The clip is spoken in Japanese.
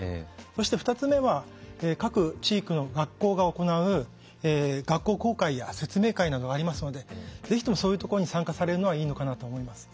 そして２つ目は各地域の学校が行う学校公開や説明会などありますのでぜひともそういうところに参加されるのがいいのかなと思います。